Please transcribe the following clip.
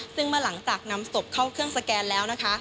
ซึ่งมาหลังจากนำศพเข้าเครื่องสแกนแล้ว